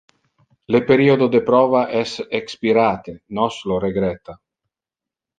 Le periodo de prova es expirate, nos lo regretta.